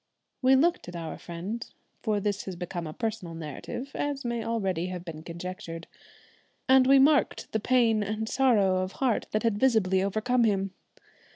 We looked at our friend for this has become a personal narrative, as may already have been conjectured and we marked the pain and sorrow of heart that had visibly overcome him.